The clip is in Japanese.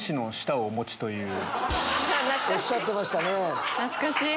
おっしゃってましたね。